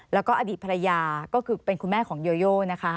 แล้วก็อดีตภรรยาก็คือเป็นคุณแม่ของโยโยนะคะ